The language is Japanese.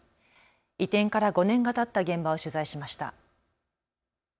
移転から５年がたった現場を取材しました。